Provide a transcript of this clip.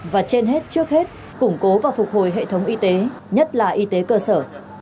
và trên hết trước hết củng cố và phục hồi hệ thống y tế nhất là y tế cơ sở